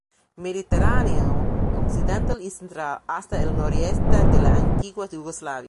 Mediterráneo occidental y central, hasta el noroeste de la antigua Yugoslavia.